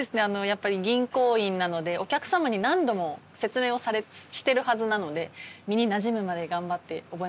やっぱり銀行員なのでお客様に何度も説明をしてるはずなので身になじむまで頑張って覚えましたね。